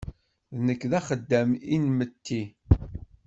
Nekk d axeddam inmetti.